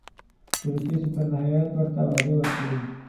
د روسیې سفارت هېئت ورته وعدې ورکړې.